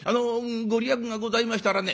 御利益がございましたらね